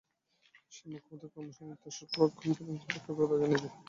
সেই মুমুক্ষুত্বই ক্রমশ নিত্যস্বরূপ ব্রহ্মে মনের একাগ্রতা আনিয়া দেয়।